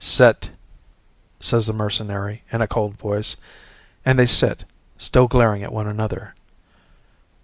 "Sit!" says the mercenary in a cold voice, and they sit still glaring at one another.